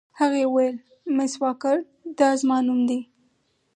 هغې وویل: مس واکر، دا زما نوم دی.